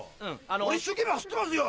俺一生懸命走ってますよ！